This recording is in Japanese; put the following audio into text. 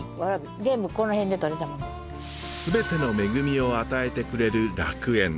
全ての恵みを与えてくれる楽園。